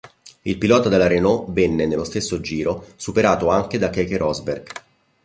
Il pilota della Renault venne, nello stesso giro, superato anche da Keke Rosberg.